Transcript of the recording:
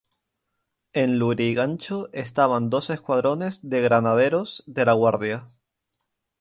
En Lurigancho estaban dos escuadrones de Granaderos de la Guardia.